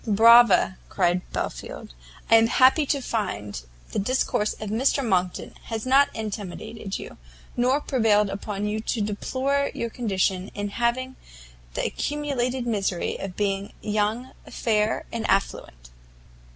"Brava!" cried Belfield, "I am happy to find the discourse of Mr Monckton has not intimidated you, nor prevailed upon you to deplore your condition in having the accumulated misery of being young, fair and affluent."